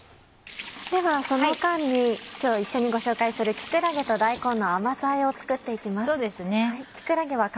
ではその間に今日一緒にご紹介する木くらげと大根の甘酢あえを作って行きます。